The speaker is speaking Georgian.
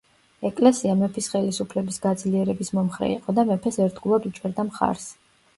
ეკლესია მეფის ხელისუფლების გაძლიერების მომხრე იყო და მეფეს ერთგულად უჭერდა მხარს.